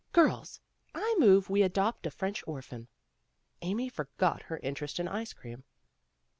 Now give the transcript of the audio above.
"Girls, I move we adopt a French orphan." Amy forgot her interest in ice cream.